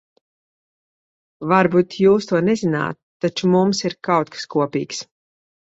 Varbūt jūs to nezināt, taču mums ir kaut kas kopīgs.